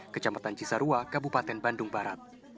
kecamatan cisarua kabupaten bandung barat